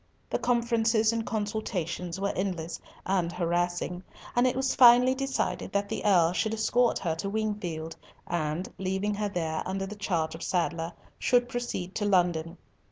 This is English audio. The conferences and consultations were endless, and harassing, and it was finally decided that the Earl should escort her to Wingfield, and, leaving her there under charge of Sadler, should proceed to London.